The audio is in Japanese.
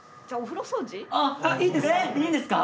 いいですか？